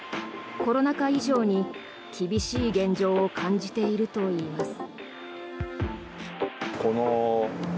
コロナ禍以上に厳しい現状を感じているといいます。